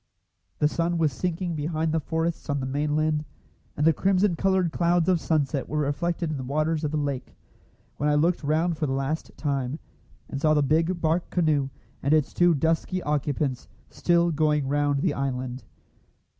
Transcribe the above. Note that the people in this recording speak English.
The sun was sinking behind the forests on the mainland, and the crimson coloured clouds of sunset were reflected in the waters of the lake, when I looked round for the last time, and saw the big bark canoe and its two dusky occupants still going round the island.